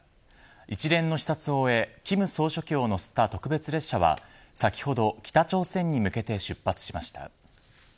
一連の視察を終え金総書記を乗せた特別列車は先ほど北朝鮮に向けて出発しました。